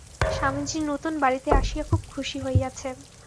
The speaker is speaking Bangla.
স্বামীজী নূতন বাড়ীতে আসিয়া খুব খুশী হইয়াছেন।